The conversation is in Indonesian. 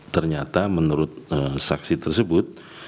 ternyata menurut saksi tersebut